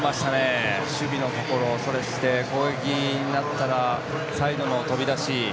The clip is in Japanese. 守備のところ、そして攻撃になったらサイドの飛び出し。